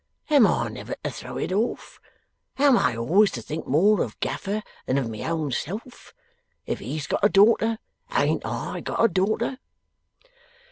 Am I never to throw it off? Am I always to think more of Gaffer than of my own self? If he's got a daughter, ain't I got a daughter?